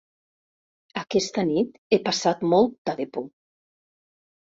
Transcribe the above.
Aquesta nit he passat molta de por.